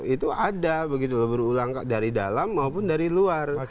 itu ada begitu loh berulang dari dalam maupun dari luar